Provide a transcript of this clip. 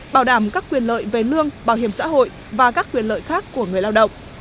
bảo đảm các quyền lợi về lương bảo hiểm xã hội và các quyền lợi khác của người lao động